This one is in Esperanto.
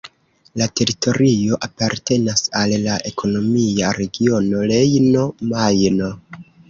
La teritorio apartenas al la ekonomia regiono Rejno-Majno.